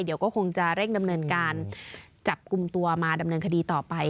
เดี๋ยวก็คงจะเร่งดำเนินการจับกลุ่มตัวมาดำเนินคดีต่อไป